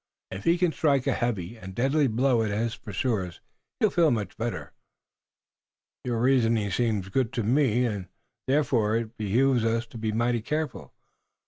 If he can strike a heavy and deadly blow at his pursuers he will feel much better." "Your reasoning seems good to me, and, therefore, it behooves us to be mighty careful.